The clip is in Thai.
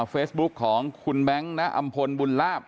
เฟซบุ๊คของคุณแบงค์ณอำพลบุญลาบ